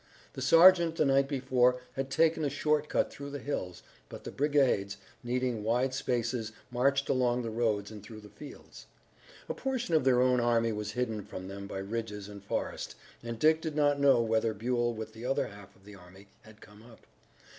The sergeant the night before had taken a short cut through the hills, but the brigades, needing wide spaces, marched along the roads and through the fields. A portion of their own army was hidden from them by ridges and forest, and Dick did not know whether Buell with the other half of the army had come up.